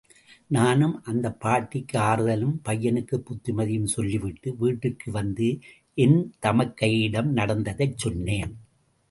நானும் அந்தப் பாட்டிக்கு ஆறுதலும், பையனுக்கு புத்திமதியும் சொல்லிவிட்டு வீட்டிற்கு வந்து என் தமக்கையிடம் நடந்ததைச் சொன்னேன்.